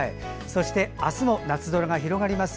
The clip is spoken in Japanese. そして明日も夏空が広がります。